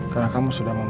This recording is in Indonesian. karena kamu sudah membantu